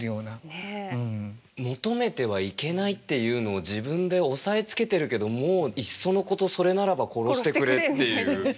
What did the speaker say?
求めてはいけないっていうのを自分で抑えつけてるけどもういっそのことそれならば殺してくれっていう。